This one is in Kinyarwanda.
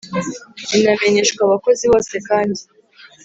binamenyeshwa abakozi bose kandi